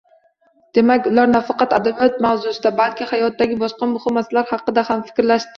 Demak, ular nafaqat adabiyot mavzusida, balki hayotdagi boshqa muhim masalalar haqida ham fikrlashardilar